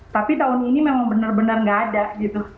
tapi tahun ini memang benar benar nggak ada gitu